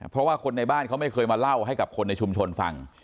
เพราะว่าคนในบ้านเขาไม่เคยมาเล่าให้กับคนในชุมชนฟัง